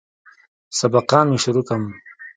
سبقان مې شروع کم.